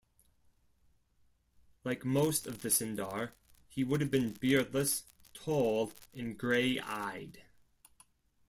Like most of the Sindar, he would have been beardless, tall, and grey-eyed.